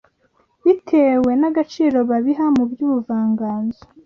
bitewe n’agaciro babiha mu by’ubuvanganzo